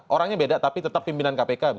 orangnya beda tapi tetap pimpinan kpk